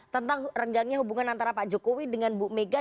tentang renggangnya hubungan antara pak jokowi dengan bu mega